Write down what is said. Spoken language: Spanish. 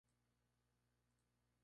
Príncipe Wang Won.